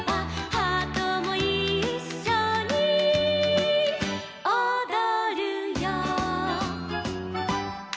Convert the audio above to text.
「ハートもいっしょにおどるよ」